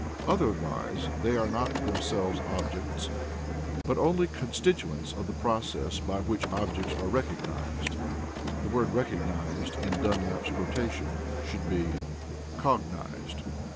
Otherwise they are not themselves objects, but only constituents of the process by which objects are recognized" ("Manual," 2nd edition, p. 134. The word "recognized" in Dunlap's quotation should be "cognized.")